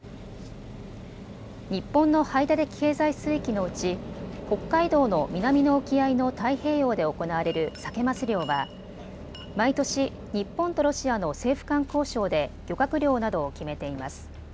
日本の排他的経済水域のうち北海道の南の沖合の太平洋で行われるサケ・マス漁は毎年、日本とロシアの政府間交渉で漁獲量などを決めています。